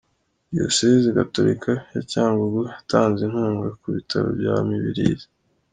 Diyosezi Gatolika ya Cyangugu yatanze inkunga ku Bitaro bya Mibirizi